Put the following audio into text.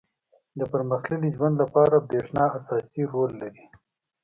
• د پرمختللي ژوند لپاره برېښنا اساسي رول لري.